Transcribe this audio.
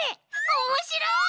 おもしろい！